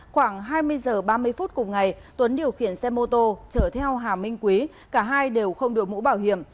khoảng hai mươi h ba mươi phút cùng ngày tuấn điều khiển xe mô tô chở theo hà minh quý cả hai đều không đổi mũ bảo hiểm